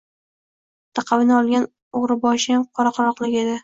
laqabini olgan o‘g‘riboshiyam qora-quroqlik edi.